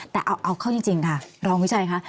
แต่เอาเข้าจริงค่ะรองวิชัยค่ะ